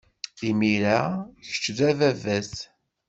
Imir-a, kečč d ababat.